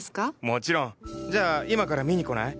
もちろん！じゃあ今から見に来ない？